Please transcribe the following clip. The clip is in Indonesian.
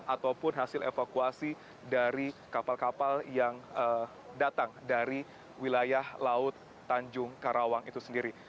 ataupun hasil evakuasi dari kapal kapal yang datang dari wilayah laut tanjung karawang itu sendiri